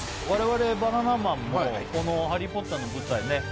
我々バナナマンもこのハリー・ポッターの舞台ね